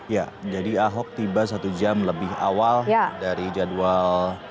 ya jadi ahok tiba satu jam lebih awal dari jadwal